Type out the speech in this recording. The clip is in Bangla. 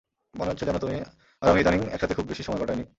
মনে হচ্ছে যেন তুমি আর আমি ইদানীং একসাথে খুব বেশি সময় কাটাইনি।